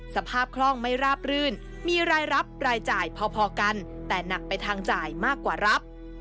คล่องไม่ราบรื่นมีรายรับรายจ่ายพอกันแต่หนักไปทางจ่ายมากกว่ารับ